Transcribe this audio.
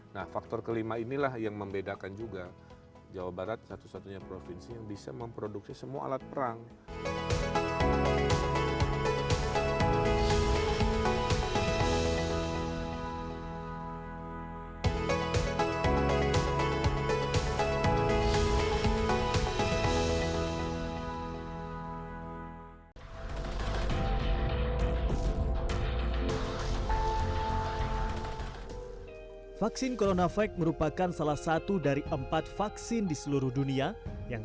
nah faktor kelima inilah yang membedakan juga jawa barat satu satunya provinsi yang bisa memproduksi semua alat perang